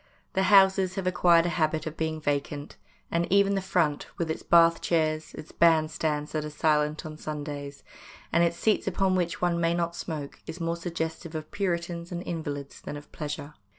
The houses have acquired a habit of being vacant, and even the front, with its bath chairs, its band stands that are silent on Sundays, and its seats upon which one may not smoke, is more suggestive of Puritans and invalids than of pleasure.